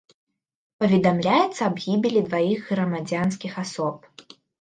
Паведамляецца аб гібелі дваіх грамадзянскіх асоб.